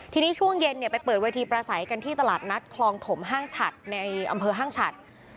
ทีนี้ช่วงเย็นไปเปิดเวทีประสัยกันที่ตลาดนัดคลองถมห้างฉัดในอำเภอห้างฉัด